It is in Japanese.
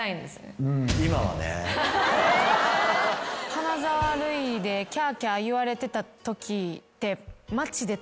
花沢類でキャーキャー言われてたときって。